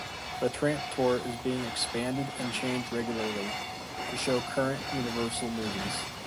The tramp tour is being expanded and changed regularly, to show current Universal movies.